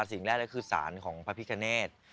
สิ่งแรกแล้วคือสารของพระพิกเนต